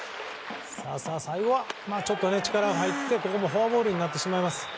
最後は力が入ってここもフォアボールになってしまいます。